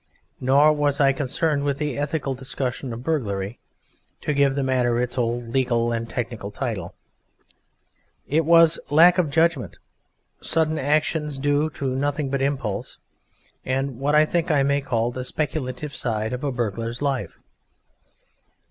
Nor was I concerned with the ethical discussion of burglary (to give the matter its old legal and technical title); it was lack of judgment, sudden actions due to nothing but impulse, and what I think I may call "the speculative side" of a burglar's life.